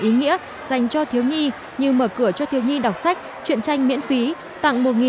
ý nghĩa dành cho thiếu nhi như mở cửa cho thiếu nhi đọc sách chuyện tranh miễn phí tặng